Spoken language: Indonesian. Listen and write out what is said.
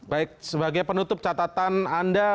baik sebagai penutup catatan anda